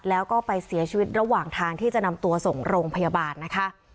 แล้วก็ไปเสียชีวิตระหว่างทางที่จะนำตัวส่งโรงพยาบาลนะคะ